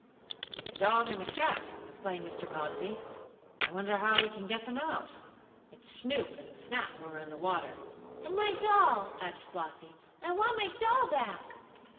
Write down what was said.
"The dog and the cat," explained Mr. Bobbsey. "I wonder how we can get them out? It's Snoop and Snap who are in the water." "And my doll!" added Flossie. "I want my doll back!"